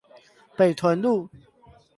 北屯路